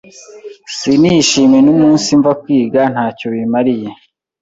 sinishime numunsimva kwiga ntacyo bimariye